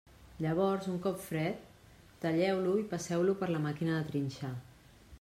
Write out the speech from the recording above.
Llavors, un cop fred, talleu-lo i passeu-lo per la màquina de trinxar.